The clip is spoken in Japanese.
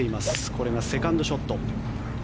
これがセカンドショット。